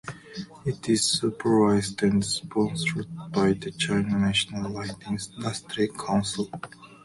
It is supervised and sponsored by the China National Light Industry Council.